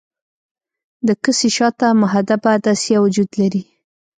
د کسي شاته محدبه عدسیه وجود لري.